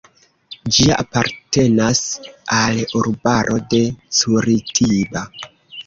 Ĝia apartenas al urbaro de Curitiba.